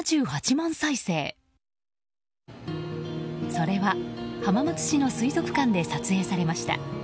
それは、浜松市の水族館で撮影されました。